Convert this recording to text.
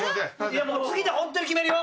次でホントに決めるよ。